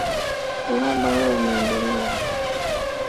Uhaba huo umeendelea huku kukiwepo mivutano